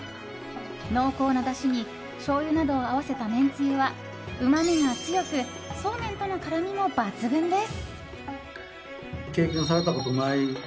濃厚なだしに、しょうゆなどを合わせためんつゆはうまみが強くそうめんとの絡みも抜群です。